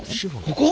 ここ？